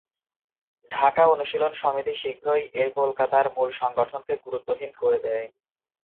ঢাকা অনুশীলন সমিতি শীঘ্রই এর কলকাতার মূল সংগঠনকে গুরুত্বহীন করে দেয়।